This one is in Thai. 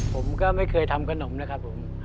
ผมก็ไม่เคยทำขนมนะครับผม